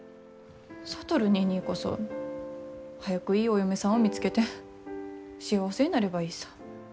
智ニーニーこそ早くいいお嫁さんを見つけて幸せになればいいさ。